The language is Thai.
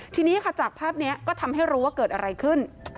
ทีนี้ค่ะจากภาพนี้ก็ทำให้รู้ว่าเกิดอะไรขึ้น